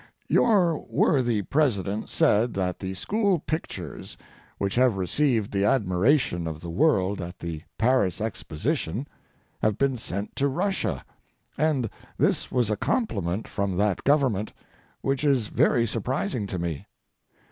Your worthy president said that the school pictures, which have received the admiration of the world at the Paris Exposition, have been sent to Russia, and this was a compliment from that Government—which is very surprising to me.